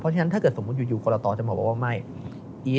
เพราะฉะนั้นถ้าเกิดสมมุติอยู่กรตจะมาบอกว่าไม่